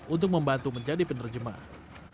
untuk membantu menjadi pemilik homestay